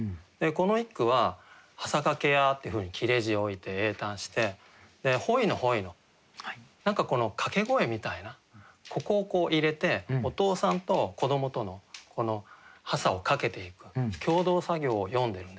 この一句は「稲架掛や」っていうふうに切字を置いて詠嘆してで「ほいのほいのと」。何かこの掛け声みたいなここをこう入れてお父さんと子どもとの稲架を掛けていく共同作業を詠んでるんですよ。